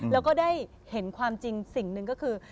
แล้วก็ได้เห็นความจริงสิ่งหนึ่งก็คือ